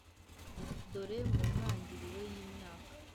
dore mu ntangiriro yimyaka,